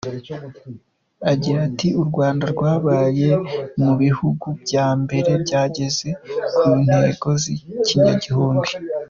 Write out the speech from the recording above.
Agira ati “U Rwanda rwabaye mu bihugu bya mbere byageze ku ntego z’ikinyagihumbi.